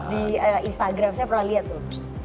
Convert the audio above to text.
di instagram saya pernah lihat tuh